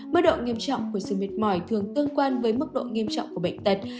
mức độ nghiêm trọng của sự mệt mỏi thường tương quan với mức độ nghiêm trọng của bệnh tật